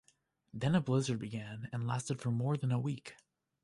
Then a blizzard began, and lasted for more than a week.